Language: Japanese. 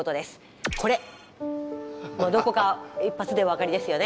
これどこか一発でお分かりですよね？